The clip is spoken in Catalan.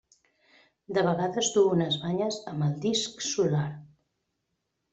De vegades duu unes banyes amb el disc solar.